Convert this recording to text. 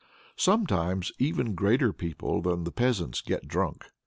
Sometimes even greater people than the peasants get drunk.